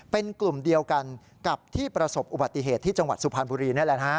เป็นกลุ่มเดียวกันกับที่ประสบอุบัติเหตุที่จังหวัดสุพรรณบุรีนี่แหละฮะ